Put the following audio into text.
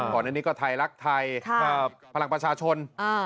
ก่อนอันนี้ก็ไทยรักไทยพลังประชาชน